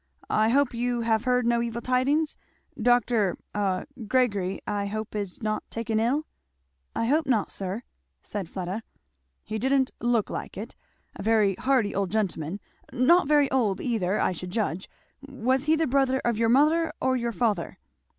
I hope you have heard no evil tidings? Dr. a Gregory, I hope, is not taken ill?" "I hope not, sir," said Fleda. "He didn't look like it. A very hearty old gentleman. Not very old either, I should judge. Was he the brother of your mother or your father?"